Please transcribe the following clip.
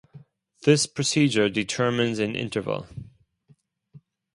This procedure determines an interval.